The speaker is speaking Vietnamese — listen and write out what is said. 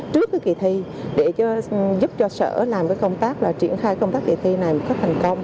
trước cái kỳ thi để giúp cho sở làm công tác là triển khai công tác kỳ thi này một cách thành công